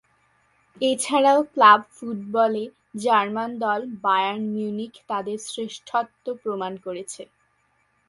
এছাড়াও ক্লাব ফুটবলে জার্মান দল বায়ার্ন মিউনিখ তাদের শ্রেষ্ঠত্ব প্রমাণ করেছে।